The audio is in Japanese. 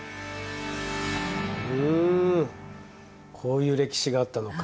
こういう歴史があったのか。